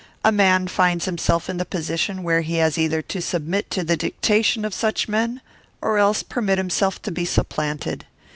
A man finds himself in the position where he has either to submit to the dictation of such men, or else permit himself to be supplanted.